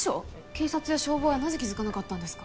警察や消防はなぜ気づかなかったんですか？